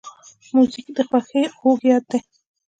موزیک د خوښۍ خوږ یاد دی.